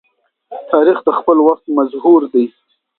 تاریخ د خپل وخت مظهور دی.